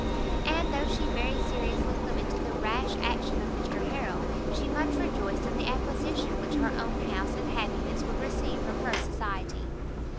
And though she very seriously lamented the rash action of Mr Harrel, she much rejoiced in the acquisition which her own house and happiness would receive from her society.